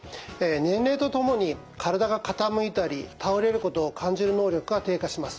年齢とともに体が傾いたり倒れることを感じる能力が低下します。